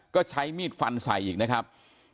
ก็ใช้มีดฟันใส่อีกนะครับ